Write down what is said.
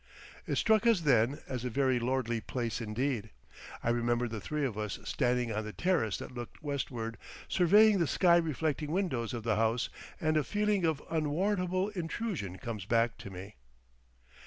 It struck us then as a very lordly place indeed. I remember the three of us standing on the terrace that looked westward, surveying the sky reflecting windows of the house, and a feeling of unwarrantable intrusion comes back to me.